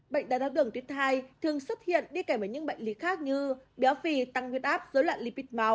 bệnh đai thác đường tuyết hai thường xuất hiện đi kể với những bệnh lý khác như béo phì tăng huyết áp dối loạn lipid máu